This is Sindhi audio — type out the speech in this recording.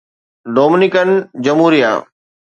ڊومينيڪن جمهوريه